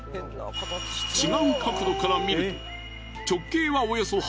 違う角度から見ると。